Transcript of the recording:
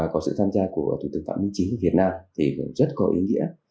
có sự tham gia của thủ tướng phạm minh chí của việt nam thì rất có ý nghĩa